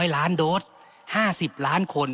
๐ล้านโดส๕๐ล้านคน